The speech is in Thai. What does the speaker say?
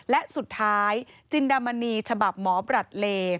และสุดท้ายจินดามณีฉบับหมอบรัดเล